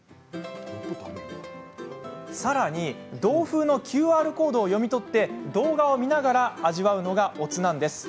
さらに、同封のＱＲコードを読み取って動画を見ながら味わうのがおつなんです。